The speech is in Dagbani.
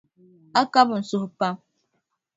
A kabi n suhu pam.